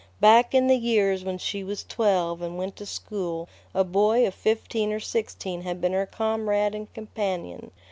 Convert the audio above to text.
Back in the years when she was twelve and went to school a boy of fifteen or sixteen had been her comrade and companion.